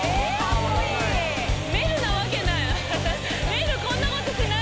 愛瑠なわけない。